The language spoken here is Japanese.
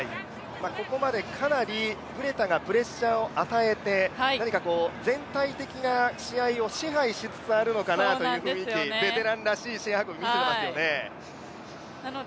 ここまでかなりブレタがプレッシャーを与えて全体的な試合を支配しつつあるのかなという雰囲気、ベテランらしい試合運びを見せていますよね。